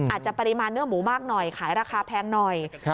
อาจจะปริมาณเนื้อหมูมากหน่อยขายราคาแพงหน่อย